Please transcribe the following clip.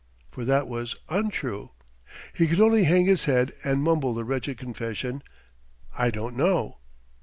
for that was untrue. He could only hang his head and mumble the wretched confession: "I don't know."